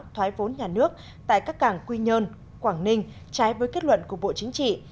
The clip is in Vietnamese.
thoái vốn nhà nước tại các cảng quy nhơn quảng ninh trái với kết luận của bộ chính trị